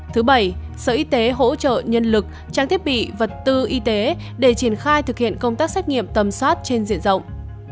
thứ bảy sở y tế hỗ trợ nhân lực trang thiết bị vật tư y tế để triển khai thực hiện công tác xét nghiệm tầm soát trên diện rộng